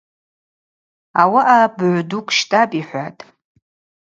Ауаъа быгӏв дукӏ щтӏапӏ, — йхӏватӏ.